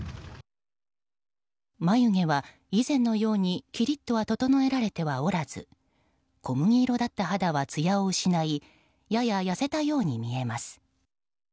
眉毛は以前のようにきりっとは整えられてはおらず小麦色だった肌はつやを失いやや痩せたように見えます。